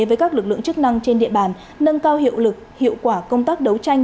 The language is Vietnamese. với các lực lượng chức năng trên địa bàn nâng cao hiệu lực hiệu quả công tác đấu tranh